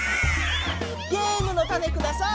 ゲームの種ください！